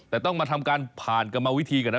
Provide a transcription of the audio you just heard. แต่ต้องมาทำการผ่านกรรมวิธีก่อนนะ